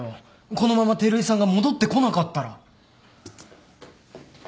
このまま照井さんが戻ってこなかったら。